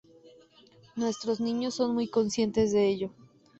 Nuestros niños son muy conscientes de ello.